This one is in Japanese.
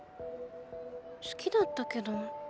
好きだったけど。